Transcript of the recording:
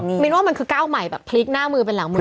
มินว่ามันคือก้าวใหม่แบบพลิกหน้ามือเป็นหลังมือ